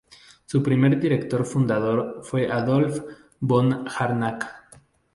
Su primer director-fundador fue Adolf von Harnack.